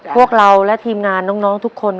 พวกเราและทีมงานน้องทุกคน